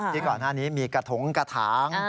ที่ก่อนหน้านี้มีกระถงกระถาง